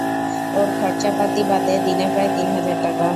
ওর খরচা-পাতি বাদে, দিনে প্রায় তিন হাজার টাকা।